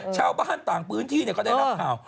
ชาวบ้านต่างพื้นที่ก็ได้รับข่าว